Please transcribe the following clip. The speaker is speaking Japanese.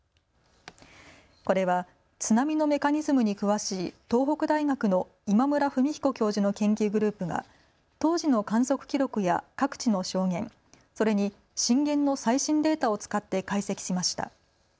これは津波のメカニズムに詳しい東北大学の今村文彦教授の研究グループが当時の観測記録や各地の証言、それに震源の最新データを使って解析しました。